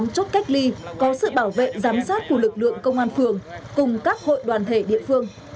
một mươi chốt cách ly có sự bảo vệ giám sát của lực lượng công an phường cùng các hội đoàn thể địa phương